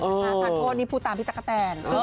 ทานโทษนี่พูดตามพี่ตั๊กกะแตน